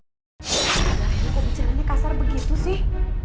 reno kau bicara ini kasar begitu sih